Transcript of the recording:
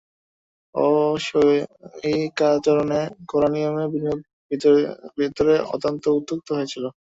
অম্বিকাচরণের কড়া নিয়মে বিনোদ ভিতরে ভিতরে অত্যন্ত উক্ত্যক্ত হইয়াছিল।